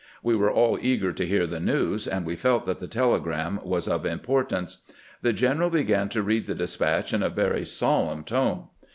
We were aU eager to hear the news, for we felt that the telegram was of importance. The general began to read the despatch in a very solemn tone.